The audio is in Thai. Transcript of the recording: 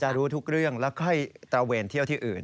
รู้ทุกเรื่องแล้วค่อยตระเวนเที่ยวที่อื่น